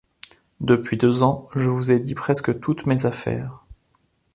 Depuis deux ans je vous ai dit presque toutes mes affaires.